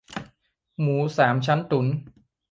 หมูสามชั้นตุ๋น